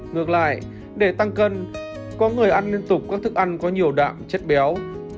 ngược lại để tăng cân có người ăn liên tục các thức ăn có nhiều đạm chất béo